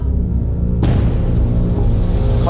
ตัวเลือกที่สองดอกบัว